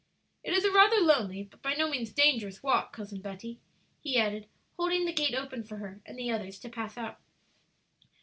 "It is a rather lonely but by no means dangerous walk, Cousin Betty," he added, holding the gate open for her and the others to pass out.